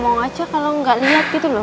mau aja kalau nggak lihat gitu loh